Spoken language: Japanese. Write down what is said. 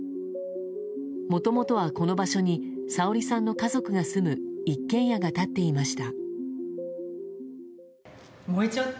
もともとは、この場所にさおりさんの家族が住む一軒家が立っていました。